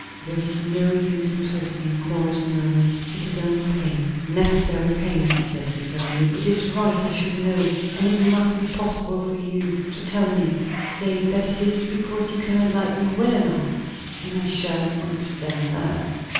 "There is no use in talking," Lois murmured. "It is only pain." "Necessary pain," said he firmly. "It is right I should know, and it must be possible for you to tell me. Say that it is because you cannot like me well enough and I shall understand that."